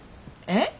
えっ？